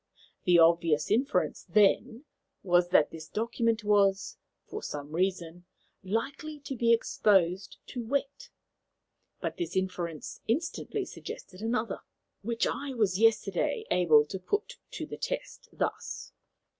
The obvious inference, then, was that this document was, for some reason, likely to be exposed to wet. But this inference instantly suggested another, which I was yesterday able to put to the test thus."